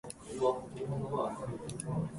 わーいわーい